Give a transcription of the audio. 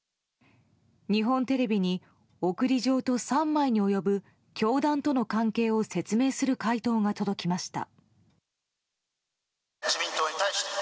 日本テレビに送り状と３枚に及ぶ教団との関係を説明する回答が届きました。